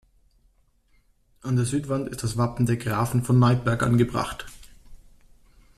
An der Südwand ist das Wappen der Grafen von Neipperg angebracht.